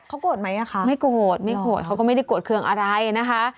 เขากดไหมล่ะคะไม่กดไม่กดเขาก็ไม่ได้กดเครื่องอะไรนะคะ